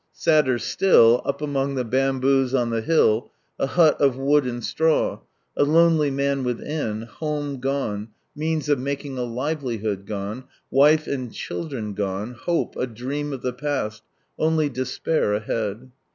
Sadder still, up among the bamboos on the hill, a hut of wood and straw, a. lonely man within, home gone, means of making a livelihood gone, wife and children gone, hope a dream of the past, only despair ahead.